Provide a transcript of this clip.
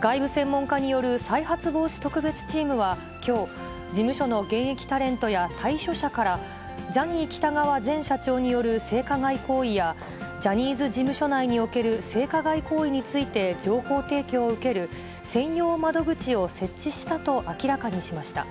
外部専門家による再発防止特別チームは、きょう、事務所の現役タレントや退所者から、ジャニー喜多川前社長による性加害行為や、ジャニーズ事務所内における性加害行為について情報提供を受ける専用窓口を設置したと明らかにしました。